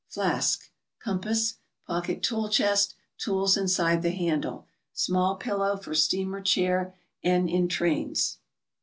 Flask. Compass. Pocket tool chest, tools inside the handle. Small pillow, for steamer chair and in trains.